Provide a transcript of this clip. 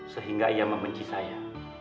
sehingga ia membenci saya